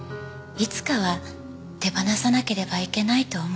いつかは手放さなければいけないと思っていたの。